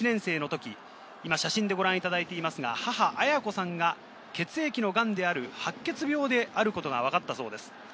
実は、千葉・八千代松陰高校１年生の時、今、写真でご覧いただいていますが、母・綾子さんが血液のがんである白血病であることが分かったそうです。